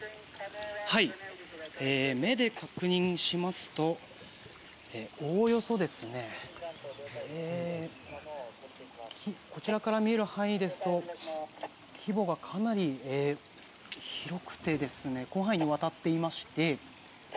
目で確認しますとおおよそこちらから見える範囲ですと規模がかなり広くて広範囲にわたっていまして。